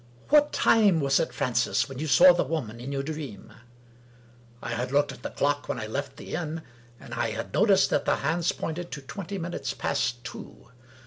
" What time was it, Francis, when you saw the Woman in your Dream ?" I had looked at the clock when I left the inn, and I had noticed that the hands pointed to twenty minutes past two.